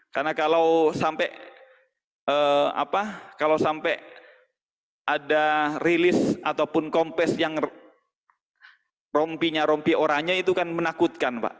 karena kalau sampai ada rilis ataupun kompes yang rompinya rompi orangnya itu kan menakutkan pak